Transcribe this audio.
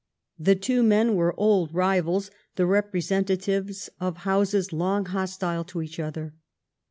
The two men were old rivals, the representatives of houses long hostile to each other.